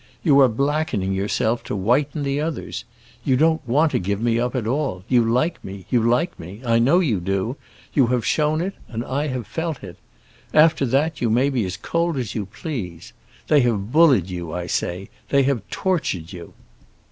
You are blackening yourself to whiten others. You don't want to give me up, at all; you like me—you like me. I know you do; you have shown it, and I have felt it. After that, you may be as cold as you please! They have bullied you, I say; they have tortured you.